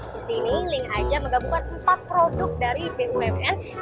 di sini link aja menggabungkan empat produk dari bumn